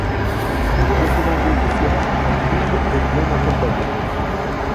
Il est recommandé de s'y rendre en groupe et bien accompagné.